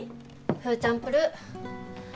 フーチャンプルー。